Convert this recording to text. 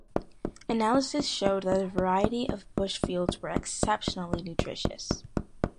Analysis showed that a variety of bushfoods were exceptionally nutritious.